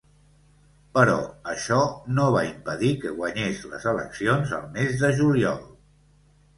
Però això no va impedir que guanyés les eleccions al mes de juliol.